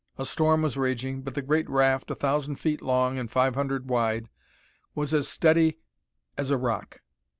A storm was raging, but the great raft, a thousand feet long, and five hundred wide, was as steady as a rock.